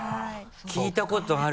聞いたことあるわ。